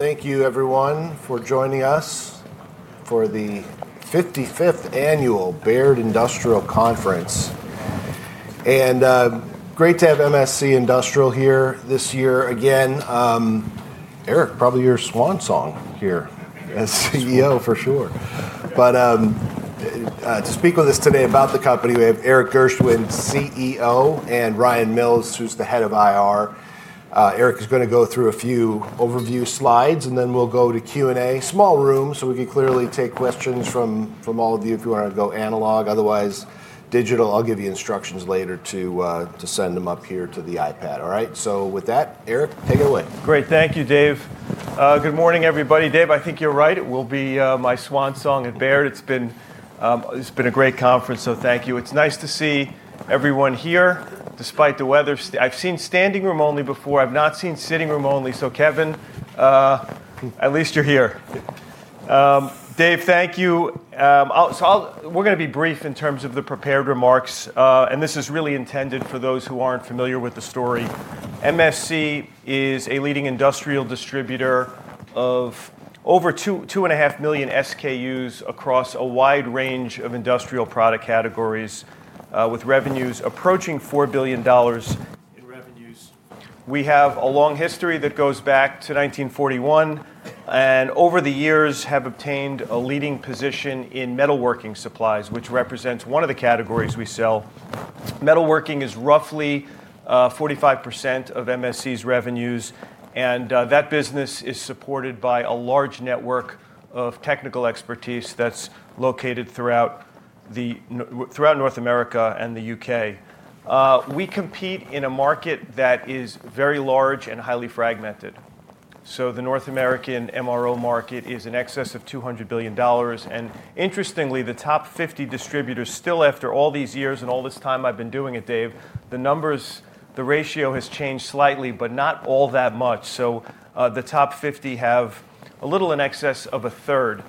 Thank you, everyone, for joining us for the 55th Annual Baird Industrial Conference. Great to have MSC Industrial here this year. Again, Erik, probably your swan song here as CEO, for sure. To speak with us today about the company, we have Erik Gershwind, CEO, and Ryan Mills, who's the head of IR. Erik is going to go through a few overview slides, and then we'll go to Q&A. Small room, so we can clearly take questions from all of you if you want to go analog. Otherwise, digital. I'll give you instructions later to send them up here to the iPad. All right? With that, Erik, take it away. Great. Thank you, Dave. Good morning, everybody. Dave, I think you're right. It will be my swan song at Baird. It's been a great conference, so thank you. It's nice to see everyone here, despite the weather. I've seen standing room only before. I've not seen sitting room only. Kevin, at least you're here. Dave, thank you. We're going to be brief in terms of the prepared remarks. This is really intended for those who aren't familiar with the story. MSC is a leading industrial distributor of over 2.5 million SKUs across a wide range of industrial product categories, with revenues approaching $4 billion in revenues. We have a long history that goes back to 1941, and over the years have obtained a leading position in metalworking supplies, which represents one of the categories we sell. Metalworking is roughly 45% of MSC's revenues, and that business is supported by a large network of technical expertise that's located throughout North America and the U.K. We compete in a market that is very large and highly fragmented. The North American MRO market is in excess of $200 billion. Interestingly, the top 50 distributors still, after all these years and all this time I've been doing it, Dave, the numbers, the ratio has changed slightly, but not all that much. The top 50 have a little in excess of a third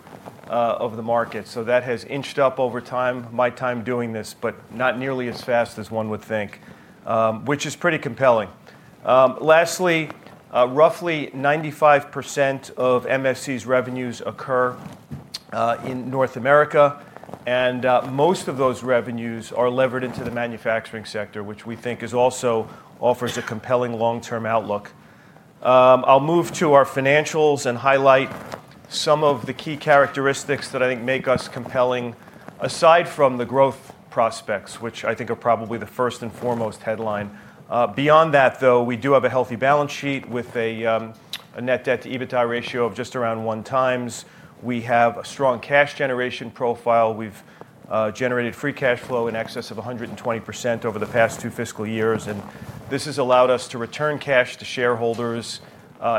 of the market. That has inched up over time, my time doing this, but not nearly as fast as one would think, which is pretty compelling. Lastly, roughly 95% of MSC's revenues occur in North America, and most of those revenues are levered into the manufacturing sector, which we think also offers a compelling long-term outlook. I'll move to our financials and highlight some of the key characteristics that I think make us compelling, aside from the growth prospects, which I think are probably the first and foremost headline. Beyond that, though, we do have a healthy balance sheet with a net debt-to-EBITDA ratio of just around 1x. We have a strong cash generation profile. We've generated free cash flow in excess of 120% over the past two fiscal years. This has allowed us to return cash to shareholders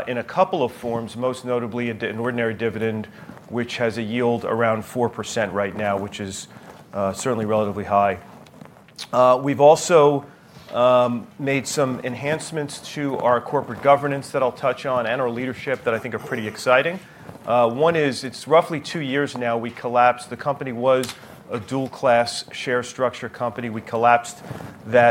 in a couple of forms, most notably an ordinary dividend, which has a yield around 4% right now, which is certainly relatively high. We've also made some enhancements to our corporate governance that I'll touch on and our leadership that I think are pretty exciting. One is, it's roughly two years now we collapsed. The company was a dual-class share structure company. We collapsed the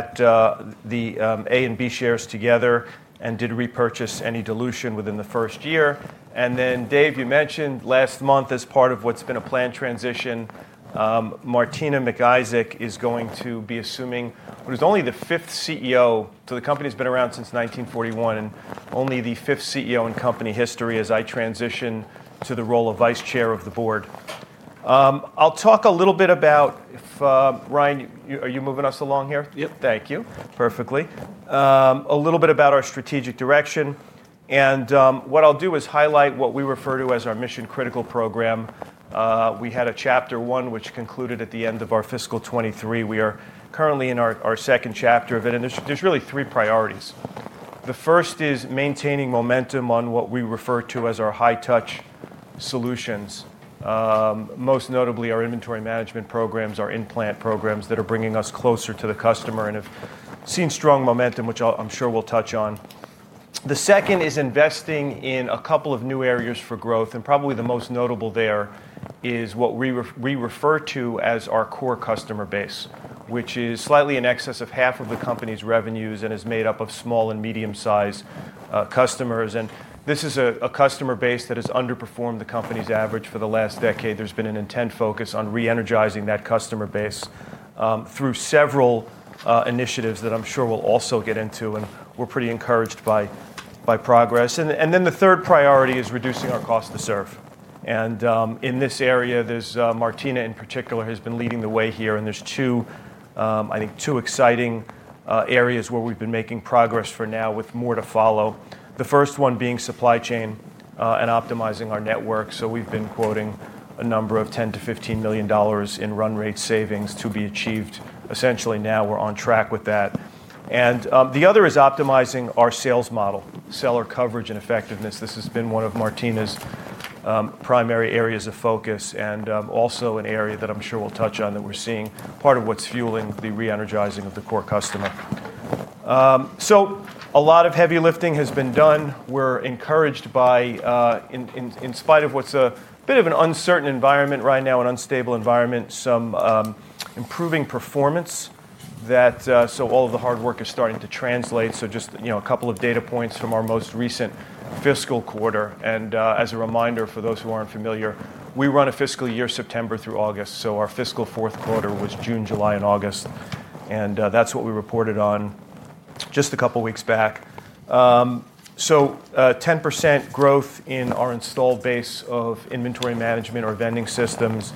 A and B shares together and did repurchase any dilution within the first year. Dave, you mentioned last month, as part of what's been a planned transition, Martina McIsaac is going to be assuming--she's only the fifth CEO, so the company's been around since 1941 and only the fifth CEO in company history as I transition to the role of vice chair of the board. I'll talk a little bit about--Ryan, are you moving us along here? Yep. Thank you. Perfectly. A little bit about our strategic direction. What I'll do is highlight what we refer to as our mission-critical program. We had a chapter one, which concluded at the end of our fiscal 2023. We are currently in our second chapter of it. There are really three priorities. The first is maintaining momentum on what we refer to as our high-touch solutions, most notably our inventory management programs, our implant programs that are bringing us closer to the customer and have seen strong momentum, which I'm sure we'll touch on. The second is investing in a couple of new areas for growth. Probably the most notable there is what we refer to as our core customer base, which is slightly in excess of half of the company's revenues and is made up of small and medium-sized customers. This is a customer base that has underperformed the company's average for the last decade. There has been an intent focus on re-energizing that customer base through several initiatives that I'm sure we'll also get into. We're pretty encouraged by progress. The third priority is reducing our cost to serve. In this area, Martina in particular has been leading the way here. There are, I think, two exciting areas where we've been making progress for now, with more to follow. The first one is supply chain and optimizing our network. We've been quoting a number of $10 million-$15 million in run rate savings to be achieved. Essentially, now we're on track with that. The other is optimizing our sales model, seller coverage and effectiveness. This has been one of Martina's primary areas of focus and also an area that I'm sure we'll touch on that we're seeing part of what's fueling the re-energizing of the core customer. A lot of heavy lifting has been done. We're encouraged by, in spite of what's a bit of an uncertain environment right now, an unstable environment, some improving performance that—all of the hard work is starting to translate. Just a couple of data points from our most recent fiscal quarter. As a reminder, for those who aren't familiar, we run a fiscal year September through August. Our fiscal fourth quarter was June, July, and August. That's what we reported on just a couple of weeks back. 10% growth in our installed base of inventory management, our vending systems,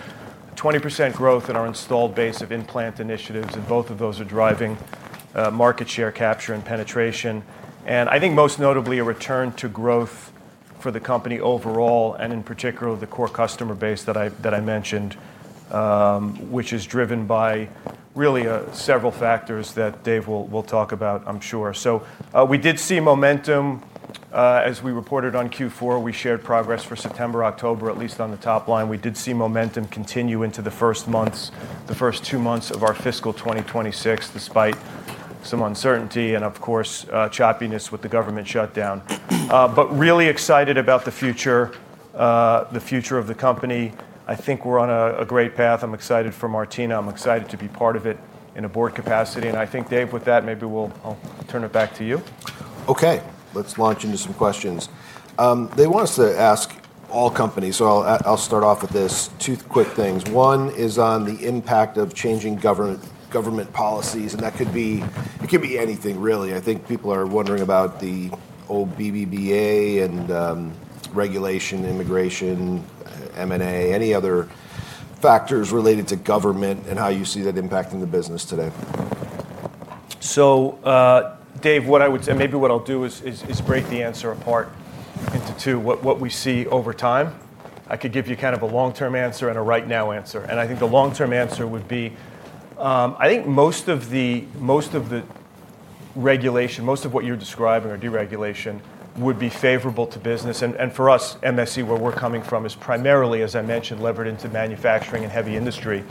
20% growth in our installed base of implant initiatives. Both of those are driving market share capture and penetration. I think most notably, a return to growth for the company overall and in particular the core customer base that I mentioned, which is driven by really several factors that Dave will talk about, I'm sure. We did see momentum as we reported on Q4. We shared progress for September, October, at least on the top line. We did see momentum continue into the first two months of our fiscal 2026, despite some uncertainty and, of course, choppiness with the government shutdown. Really excited about the future, the future of the company. I think we're on a great path. I'm excited for Martina. I'm excited to be part of it in a board capacity. I think, Dave, with that, maybe I'll turn it back to you. Okay. Let's launch into some questions. They want us to ask all companies. I'll start off with this. Two quick things. One is on the impact of changing government policies. That could be anything, really. I think people are wondering about the old BBBA and regulation, immigration, M&A, any other factors related to government and how you see that impacting the business today. Dave, what I would say, maybe what I'll do is break the answer apart into two. What we see over time, I could give you kind of a long-term answer and a right-now answer. I think the long-term answer would be, I think most of the regulation, most of what you're describing or deregulation would be favorable to business. For us, MSC, where we're coming from is primarily, as I mentioned, levered into manufacturing and heavy industry.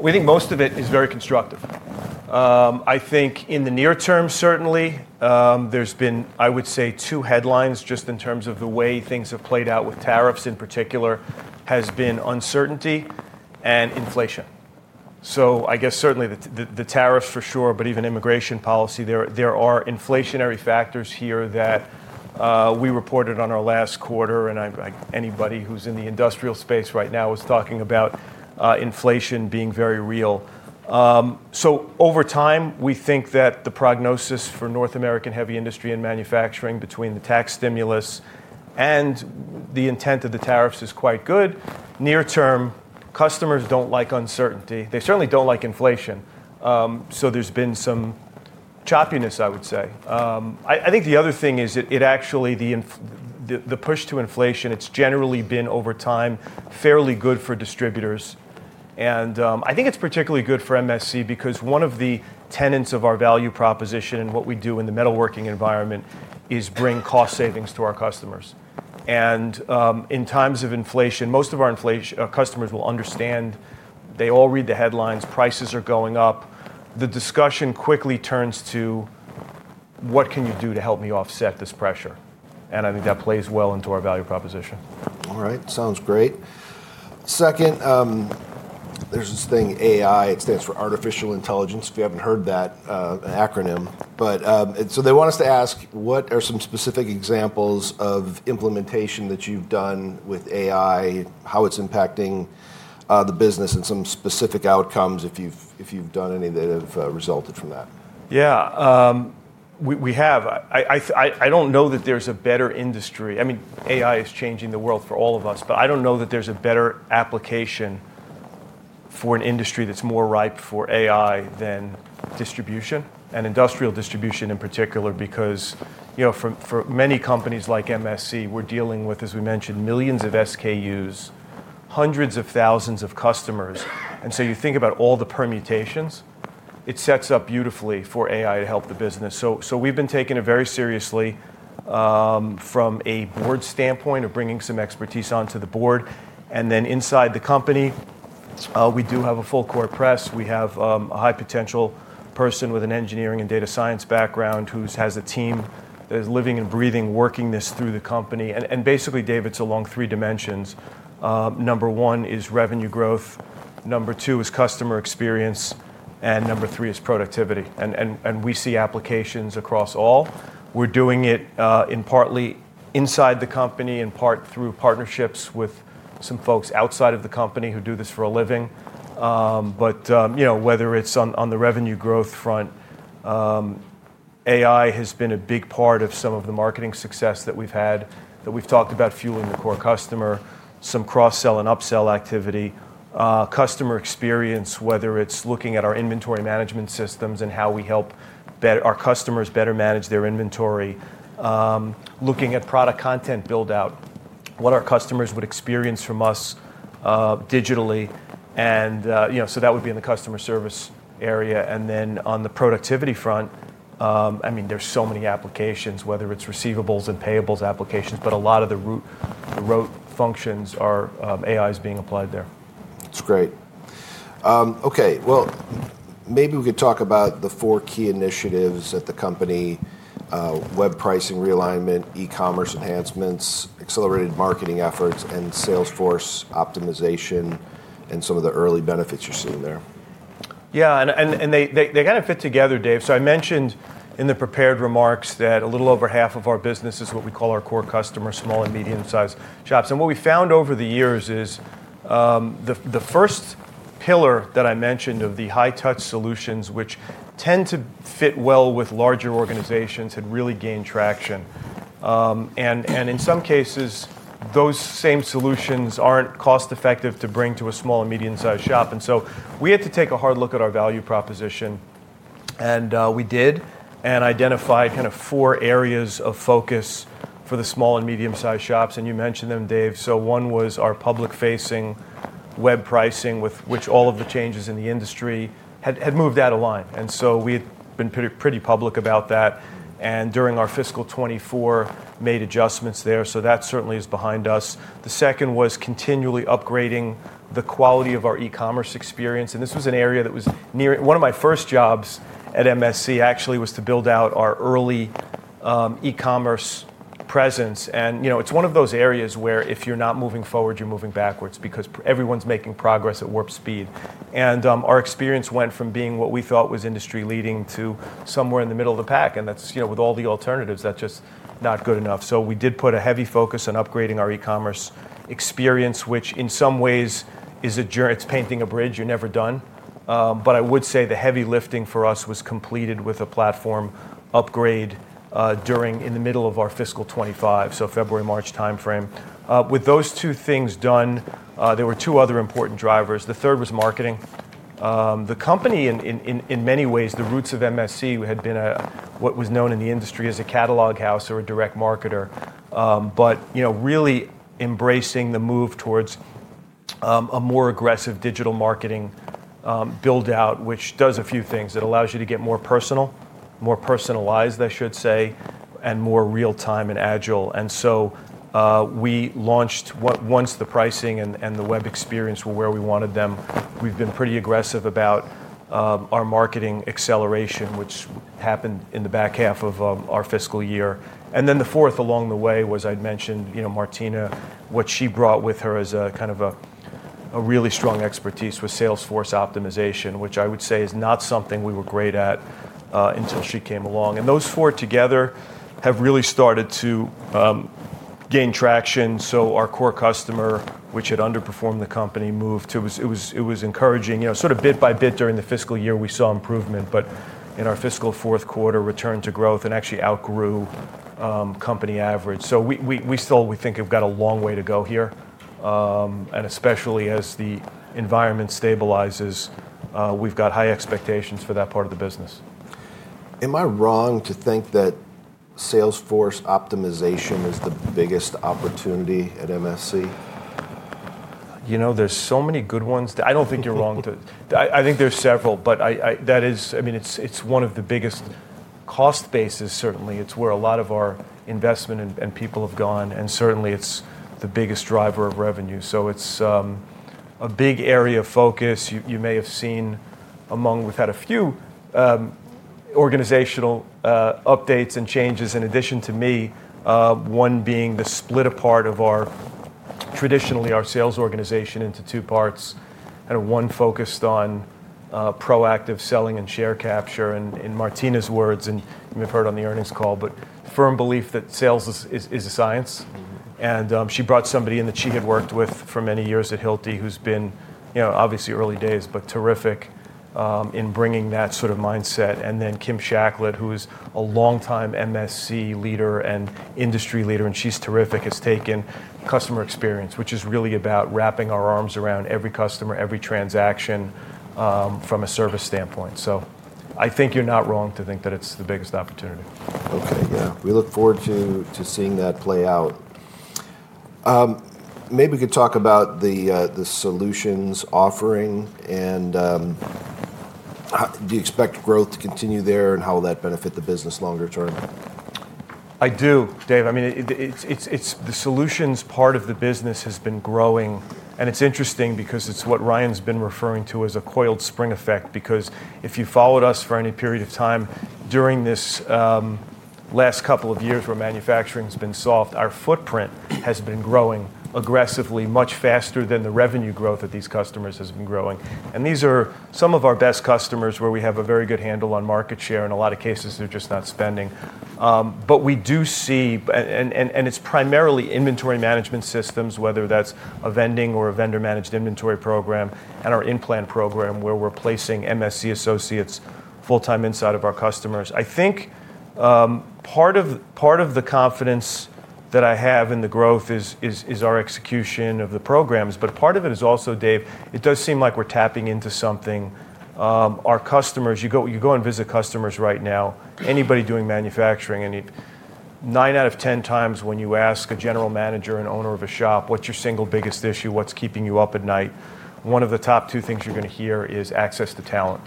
We think most of it is very constructive. I think in the near term, certainly, there's been, I would say, two headlines just in terms of the way things have played out with tariffs in particular has been uncertainty and inflation. I guess certainly the tariffs for sure, but even immigration policy. There are inflationary factors here that we reported on our last quarter. Anybody who's in the industrial space right now is talking about inflation being very real. Over time, we think that the prognosis for North American heavy industry and manufacturing between the tax stimulus and the intent of the tariffs is quite good. Near term, customers do not like uncertainty. They certainly do not like inflation. There has been some choppiness, I would say. The other thing is, actually, the push to inflation has generally been over time fairly good for distributors. I think it is particularly good for MSC because one of the tenets of our value proposition and what we do in the metalworking environment is bring cost savings to our customers. In times of inflation, most of our customers will understand. They all read the headlines. Prices are going up. The discussion quickly turns to, what can you do to help me offset this pressure? I think that plays well into our value proposition. All right. Sounds great. Second, there's this thing, AI. It stands for artificial intelligence, if you haven't heard that acronym. They want us to ask, what are some specific examples of implementation that you've done with AI, how it's impacting the business, and some specific outcomes if you've done any that have resulted from that? Yeah. We have. I don't know that there's a better industry. I mean, AI is changing the world for all of us. I don't know that there's a better application for an industry that's more ripe for AI than distribution and industrial distribution in particular, because for many companies like MSC, we're dealing with, as we mentioned, millions of SKUs, hundreds of thousands of customers. You think about all the permutations, it sets up beautifully for AI to help the business. We've been taken very seriously from a board standpoint of bringing some expertise onto the board. Inside the company, we do have a full-court press. We have a high-potential person with an engineering and data science background who has a team that is living and breathing, working this through the company. Basically, Dave, it's along three dimensions. Number one is revenue growth. Number two is customer experience. Number three is productivity. We see applications across all. We're doing it partly inside the company, in part through partnerships with some folks outside of the company who do this for a living. Whether it's on the revenue growth front, AI has been a big part of some of the marketing success that we've had, that we've talked about fueling the core customer, some cross-sell and upsell activity, customer experience, whether it's looking at our inventory management systems and how we help our customers better manage their inventory, looking at product content build-out, what our customers would experience from us digitally. That would be in the customer service area. On the productivity front, I mean, there's so many applications, whether it's receivables and payables applications, but a lot of the rote functions are AI is being applied there. That's great. Okay. Maybe we could talk about the four key initiatives at the company: web pricing realignment, e-commerce enhancements, accelerated marketing efforts, and Salesforce optimization, and some of the early benefits you're seeing there. Yeah. They kind of fit together, Dave. I mentioned in the prepared remarks that a little over half of our business is what we call our core customers, small and medium-sized shops. What we found over the years is the first pillar that I mentioned of the high-touch solutions, which tend to fit well with larger organizations, had really gained traction. In some cases, those same solutions are not cost-effective to bring to a small and medium-sized shop. We had to take a hard look at our value proposition. We did and identified kind of four areas of focus for the small and medium-sized shops. You mentioned them, Dave. One was our public-facing web pricing, with which all of the changes in the industry had moved out of line. We had been pretty public about that. During our fiscal 2024, made adjustments there. That certainly is behind us. The second was continually upgrading the quality of our e-commerce experience. This was an area that was near one of my first jobs at MSC actually was to build out our early e-commerce presence. It is one of those areas where if you're not moving forward, you're moving backwards because everyone's making progress at warp speed. Our experience went from being what we thought was industry-leading to somewhere in the middle of the pack. With all the alternatives, that's just not good enough. We did put a heavy focus on upgrading our e-commerce experience, which in some ways is a journey. It's painting a bridge. You're never done. I would say the heavy lifting for us was completed with a platform upgrade during the middle of our fiscal 2025, so February, March timeframe. With those two things done, there were two other important drivers. The third was marketing. The company, in many ways, the roots of MSC had been what was known in the industry as a catalog house or a direct marketer, but really embracing the move towards a more aggressive digital marketing build-out, which does a few things. It allows you to get more personal, more personalized, I should say, and more real-time and agile. We launched once the pricing and the web experience were where we wanted them. We've been pretty aggressive about our marketing acceleration, which happened in the back half of our fiscal year. The fourth along the way was, I'd mentioned, Martina, what she brought with her as a kind of a really strong expertise was Salesforce optimization, which I would say is not something we were great at until she came along. Those four together have really started to gain traction. Our core customer, which had underperformed the company, moved to it was encouraging. Sort of bit by bit during the fiscal year, we saw improvement. In our fiscal fourth quarter, returned to growth and actually outgrew company average. We still, we think, have got a long way to go here. Especially as the environment stabilizes, we've got high expectations for that part of the business. Am I wrong to think that Salesforce optimization is the biggest opportunity at MSC? You know, there's so many good ones. I don't think you're wrong. I think there's several. That is, I mean, it's one of the biggest cost bases, certainly. It's where a lot of our investment and people have gone. Certainly, it's the biggest driver of revenue. It is a big area of focus. You may have seen among, we've had a few organizational updates and changes in addition to me, one being the split apart of our, traditionally, our sales organization into two parts, kind of one focused on proactive selling and share capture. In Martina's words, and you may have heard on the earnings call, firm belief that sales is a science. She brought somebody in that she had worked with for many years at Hilti, who's been, obviously early days, but terrific in bringing that sort of mindset. Kim Shacklett, who is a longtime MSC leader and industry leader, and she's terrific, has taken customer experience, which is really about wrapping our arms around every customer, every transaction from a service standpoint. I think you're not wrong to think that it's the biggest opportunity. Okay. Yeah. We look forward to seeing that play out. Maybe we could talk about the solutions offering. Do you expect growth to continue there? How will that benefit the business longer term? I do, Dave. I mean, the solutions part of the business has been growing. It's interesting because it's what Ryan's been referring to as a coiled spring effect. If you followed us for any period of time during this last couple of years where manufacturing has been soft, our footprint has been growing aggressively, much faster than the revenue growth that these customers have been growing. These are some of our best customers where we have a very good handle on market share. In a lot of cases, they're just not spending. We do see, and it's primarily inventory management systems, whether that's a vending or a vendor-managed inventory program, and our implant program where we're placing MSC associates full-time inside of our customers. I think part of the confidence that I have in the growth is our execution of the programs. Part of it is also, Dave, it does seem like we're tapping into something. Our customers, you go and visit customers right now, anybody doing manufacturing, 9 out of 10x when you ask a general manager, an owner of a shop, what's your single biggest issue? What's keeping you up at night? One of the top two things you're going to hear is access to talent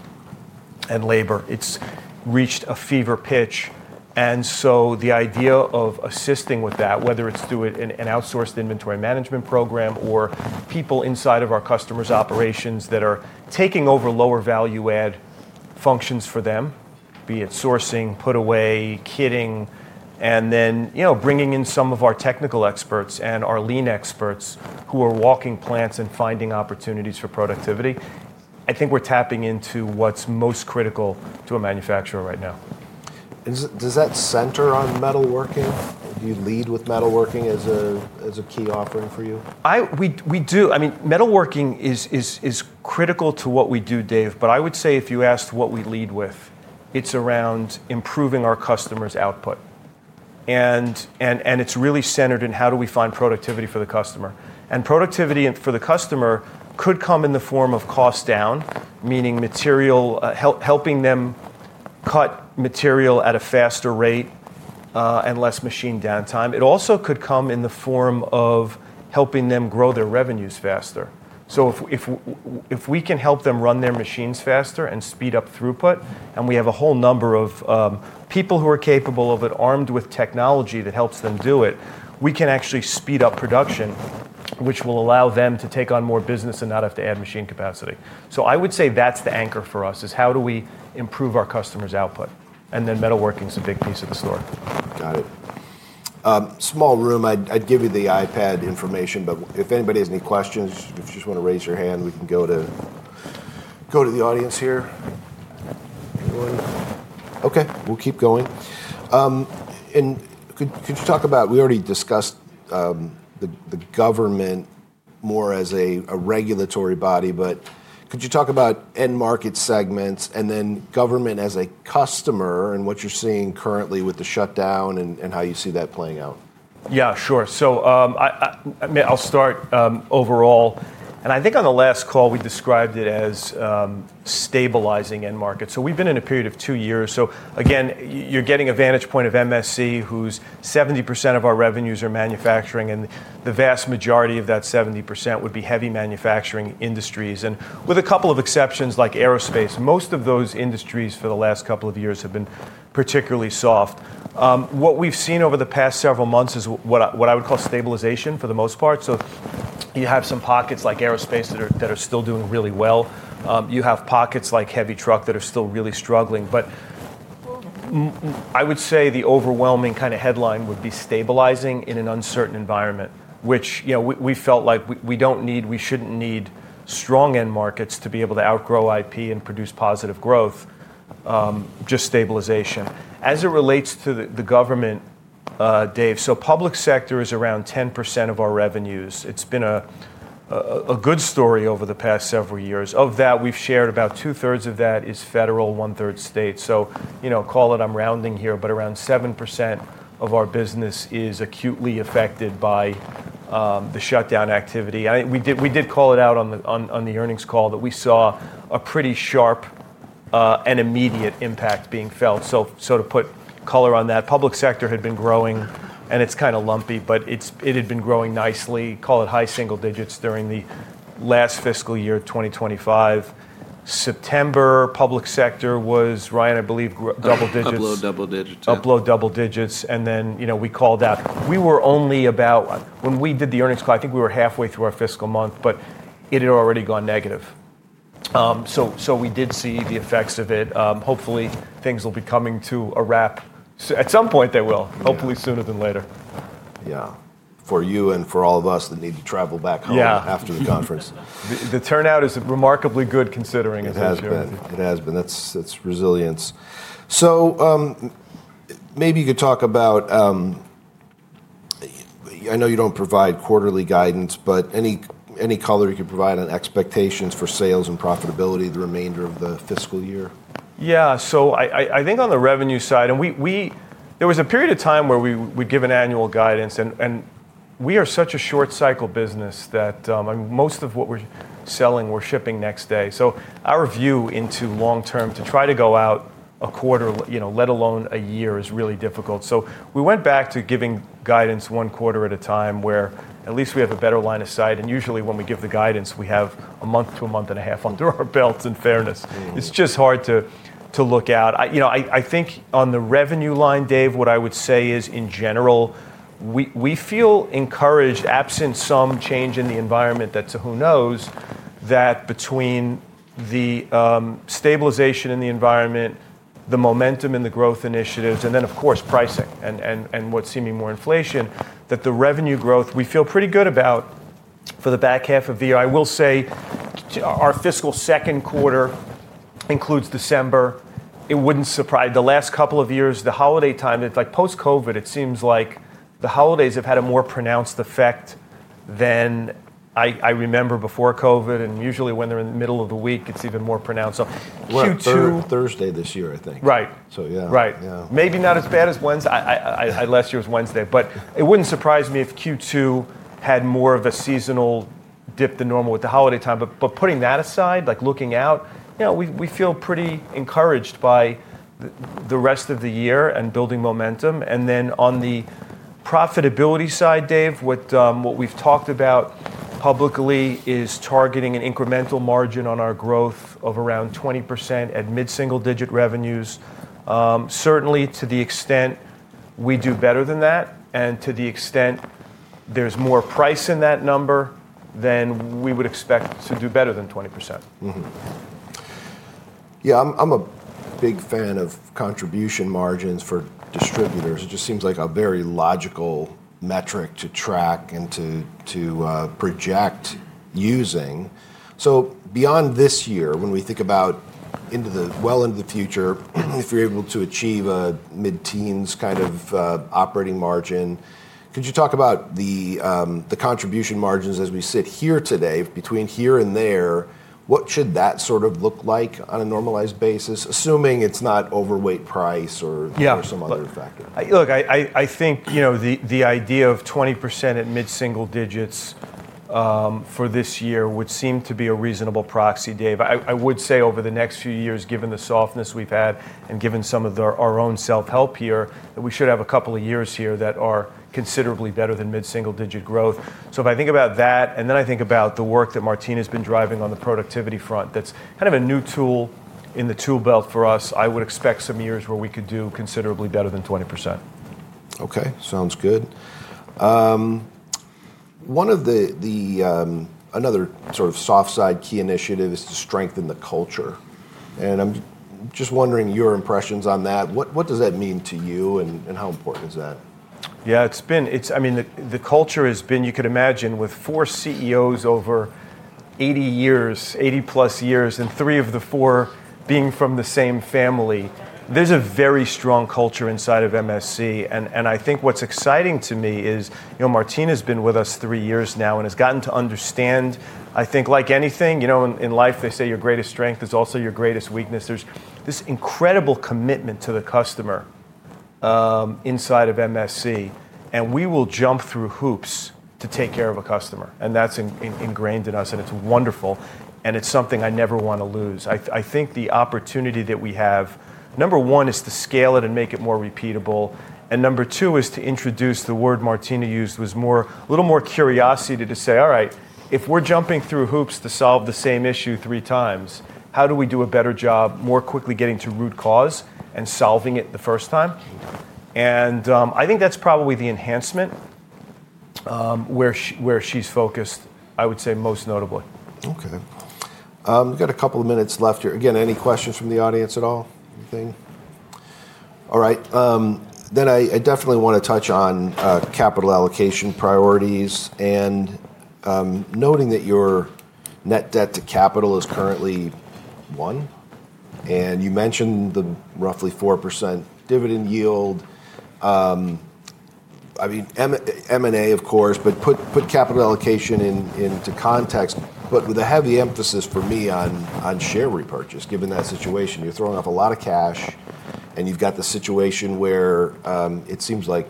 and labor. It's reached a fever pitch. The idea of assisting with that, whether it's through an outsourced inventory management program or people inside of our customers' operations that are taking over lower value-add functions for them, be it sourcing, put away, kitting, and then bringing in some of our technical experts and our lean experts who are walking plants and finding opportunities for productivity, I think we're tapping into what's most critical to a manufacturer right now. Does that center on metalworking? Do you lead with metalworking as a key offering for you? We do. I mean, metalworking is critical to what we do, Dave. I would say if you asked what we lead with, it's around improving our customers' output. It's really centered in how do we find productivity for the customer. Productivity for the customer could come in the form of cost down, meaning helping them cut material at a faster rate and less machine downtime. It also could come in the form of helping them grow their revenues faster. If we can help them run their machines faster and speed up throughput, and we have a whole number of people who are capable of it armed with technology that helps them do it, we can actually speed up production, which will allow them to take on more business and not have to add machine capacity. I would say that's the anchor for us is how do we improve our customers' output. And then metalworking is a big piece of the story. Got it. Small room. I'd give you the iPad information. If anybody has any questions, if you just want to raise your hand, we can go to the audience here. Okay. We'll keep going. Could you talk about we already discussed the government more as a regulatory body. Could you talk about end market segments and then government as a customer and what you're seeing currently with the shutdown and how you see that playing out? Yeah, sure. I'll start overall. I think on the last call, we described it as stabilizing end market. We've been in a period of two years. Again, you're getting a vantage point of MSC, whose 70% of our revenues are manufacturing. The vast majority of that 70% would be heavy manufacturing industries. With a couple of exceptions like aerospace, most of those industries for the last couple of years have been particularly soft. What we've seen over the past several months is what I would call stabilization for the most part. You have some pockets like aerospace that are still doing really well. You have pockets like heavy truck that are still really struggling. I would say the overwhelming kind of headline would be stabilizing in an uncertain environment, which we felt like we do not need, we should not need strong end markets to be able to outgrow IP and produce positive growth, just stabilization. As it relates to the government, Dave, public sector is around 10% of our revenues. It has been a good story over the past several years. Of that, we have shared about two-thirds of that is federal, one-third state. Call it, I am rounding here, but around 7% of our business is acutely affected by the shutdown activity. We did call it out on the earnings call that we saw a pretty sharp and immediate impact being felt. To put color on that, public sector had been growing, and it's kind of lumpy, but it had been growing nicely, call it high single digits during the last fiscal year 2025. September, public sector was, Ryan, I believe, double digits. Upload double digits. Upload double digits. We called out we were only about, when we did the earnings call, I think we were halfway through our fiscal month, but it had already gone negative. We did see the effects of it. Hopefully, things will be coming to a wrap. At some point, they will, hopefully sooner than later. Yeah. For you and for all of us that need to travel back home after the conference. The turnout is remarkably good considering it has been. It has been. That's resilience. Maybe you could talk about, I know you don't provide quarterly guidance, but any color you could provide on expectations for sales and profitability the remainder of the fiscal year? Yeah. I think on the revenue side, there was a period of time where we would give an annual guidance. We are such a short-cycle business that most of what we're selling, we're shipping next day. Our view into long-term to try to go out a quarter, let alone a year, is really difficult. We went back to giving guidance one quarter at a time where at least we have a better line of sight. Usually when we give the guidance, we have a month to a month and a half under our belts in fairness. It's just hard to look out. I think on the revenue line, Dave, what I would say is in general, we feel encouraged absent some change in the environment that to who knows that between the stabilization in the environment, the momentum in the growth initiatives, and then of course pricing and what seeming more inflation, that the revenue growth we feel pretty good about for the back half of the year. I will say our fiscal second quarter includes December. It would not surprise the last couple of years, the holiday time, like post-COVID, it seems like the holidays have had a more pronounced effect than I remember before COVID. Usually when they are in the middle of the week, it is even more pronounced. We're on Thursday this year, I think. Right. So yeah. Right. Maybe not as bad as Wednesday. I'd lesser with Wednesday. It wouldn't surprise me if Q2 had more of a seasonal dip than normal with the holiday time. Putting that aside, like looking out, we feel pretty encouraged by the rest of the year and building momentum. On the profitability side, Dave, what we've talked about publicly is targeting an incremental margin on our growth of around 20% at mid-single-digit revenues. Certainly to the extent we do better than that and to the extent there's more price in that number, then we would expect to do better than 20%. Yeah. I'm a big fan of contribution margins for distributors. It just seems like a very logical metric to track and to project using. Beyond this year, when we think about well into the future, if you're able to achieve a mid-teens kind of operating margin, could you talk about the contribution margins as we sit here today between here and there? What should that sort of look like on a normalized basis, assuming it's not overweight price or some other factor? Yeah. Look, I think the idea of 20% at mid-single digits for this year would seem to be a reasonable proxy, Dave. I would say over the next few years, given the softness we've had and given some of our own self-help here, that we should have a couple of years here that are considerably better than mid-single-digit growth. If I think about that, and then I think about the work that Martina has been driving on the productivity front, that's kind of a new tool in the tool belt for us, I would expect some years where we could do considerably better than 20%. Okay. Sounds good. One of the another sort of soft-side key initiative is to strengthen the culture. I'm just wondering your impressions on that. What does that mean to you and how important is that? Yeah. I mean, the culture has been, you could imagine with four CEOs over 80 years, 80+ years, and three of the four being from the same family, there's a very strong culture inside of MSC. I think what's exciting to me is Martina has been with us three years now and has gotten to understand, I think like anything in life, they say your greatest strength is also your greatest weakness. There's this incredible commitment to the customer inside of MSC. We will jump through hoops to take care of a customer. That's ingrained in us. It's wonderful. It's something I never want to lose. I think the opportunity that we have, number one is to scale it and make it more repeatable. Number two is to introduce, the word Martina used was a little more curiosity, to say, all right, if we're jumping through hoops to solve the same issue 3x, how do we do a better job more quickly getting to root cause and solving it the first time? I think that's probably the enhancement where she's focused, I would say most notably. Okay. We've got a couple of minutes left here. Again, any questions from the audience at all? Anything? All right. I definitely want to touch on capital allocation priorities and noting that your net debt to capital is currently one. You mentioned the roughly 4% dividend yield. I mean, M&A, of course, but put capital allocation into context, with a heavy emphasis for me on share repurchase, given that situation. You're throwing off a lot of cash, and you've got the situation where it seems like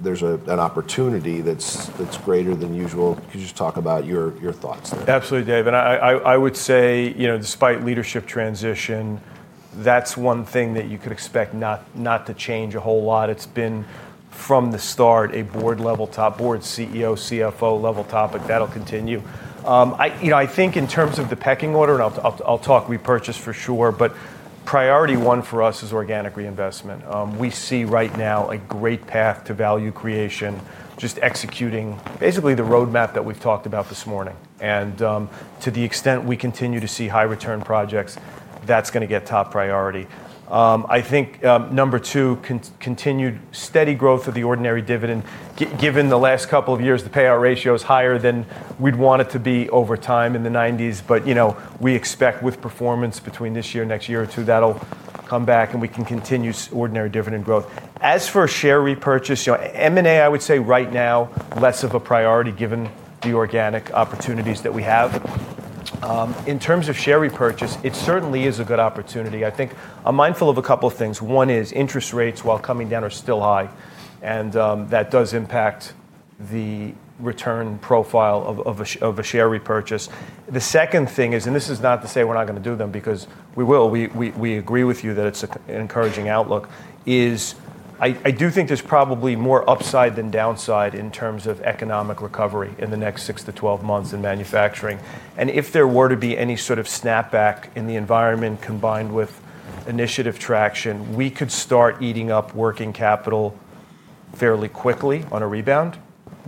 there's an opportunity that's greater than usual. Could you just talk about your thoughts there? Absolutely, Dave. I would say despite leadership transition, that's one thing that you could expect not to change a whole lot. It's been from the start a board-level, top, board, CEO, CFO-level topic. That'll continue. I think in terms of the pecking order, and I'll talk repurchase for sure, but priority one for us is organic reinvestment. We see right now a great path to value creation, just executing basically the roadmap that we've talked about this morning. To the extent we continue to see high-return projects, that's going to get top priority. I think number two, continued steady growth of the ordinary dividend. Given the last couple of years, the payout ratio is higher than we'd want it to be over time in the 90s. We expect with performance between this year and next year or two, that'll come back and we can continue ordinary dividend growth. As for share repurchase, M&A, I would say right now less of a priority given the organic opportunities that we have. In terms of share repurchase, it certainly is a good opportunity. I think I'm mindful of a couple of things. One is interest rates while coming down are still high. That does impact the return profile of a share repurchase. The second thing is, and this is not to say we're not going to do them because we will, we agree with you that it's an encouraging outlook, I do think there's probably more upside than downside in terms of economic recovery in the next 6-12 months in manufacturing. If there were to be any sort of snapback in the environment combined with initiative traction, we could start eating up working capital fairly quickly on a rebound,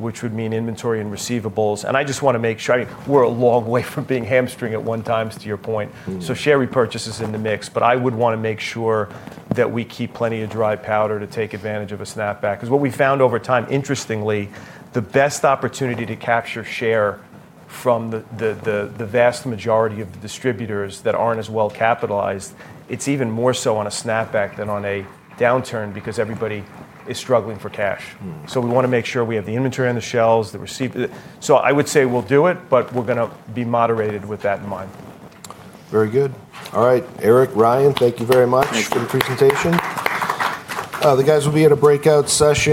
which would mean inventory and receivables. I just want to make sure we're a long way from being hamstrung at one time, to your point. Share repurchase is in the mix. I would want to make sure that we keep plenty of dry powder to take advantage of a snapback. What we found over time, interestingly, is the best opportunity to capture share from the vast majority of the distributors that aren't as well capitalized is even more so on a snapback than on a downturn because everybody is struggling for cash. We want to make sure we have the inventory on the shelves, the receivables.I would say we'll do it, but we're going to be moderated with that in mind. Very good. All right. Erik, Ryan, thank you very much for the presentation. The guys will be at a breakout session.